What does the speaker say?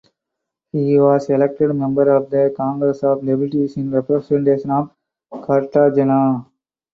He was elected member of the Congress of Deputies in representation of Cartagena.